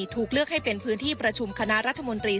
ถูกเลือกให้เป็นพื้นที่ประชุมคณะรัฐมนตรี